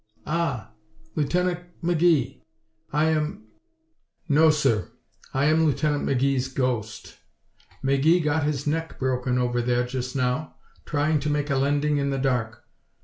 "Ah! Lieutenant McGee! I am " "No sir, I am Lieutenant McGee's ghost. McGee got his neck broken over there just now trying to make a landing in the dark.